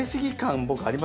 僕ありますよね？